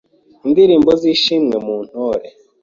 Indirimbo z’ishimwe mu ntore